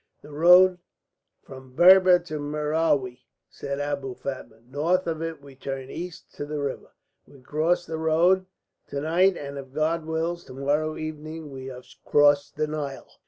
"The road from Berber to Merowi," said Abou Fatma. "North of it we turn east to the river. We cross that road to night; and if God wills, to morrow evening we shall have crossed the Nile."